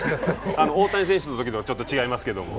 大谷選手のときとちょっと違いますけど。